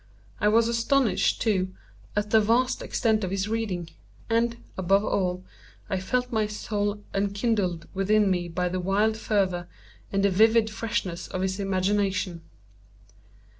I was astonished, too, at the vast extent of his reading; and, above all, I felt my soul enkindled within me by the wild fervor, and the vivid freshness of his imagination.